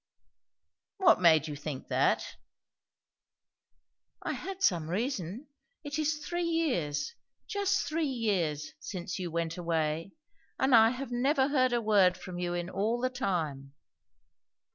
"What made you think that?" "I had some reason. It is three years, just three years, since you went away; and I have never heard a word from you in all the time."